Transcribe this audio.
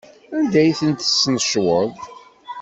Anda ay ten-tesnecweḍ?